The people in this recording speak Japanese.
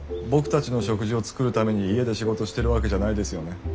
僕たちの食事を作るために家で仕事してるわけじゃないですよね？